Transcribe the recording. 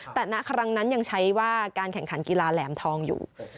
แต่ณครั้งนั้นยังใช้ว่าการแข่งขันกีฬาแหลมทองอยู่